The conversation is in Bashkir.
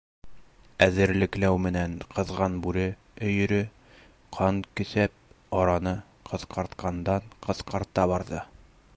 Эҙәрлекләү менән ҡыҙған бүре өйөрө ҡан көҫәп, араны ҡыҫҡартҡандан-ҡыҫҡарта барҙы.